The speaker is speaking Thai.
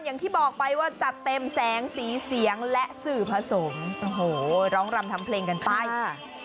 อย่างที่บอกไปว่าจัดเต็มแสงสีเสียงและสื่อผสมโอ้โหร้องรำทำเพลงกันไปค่ะ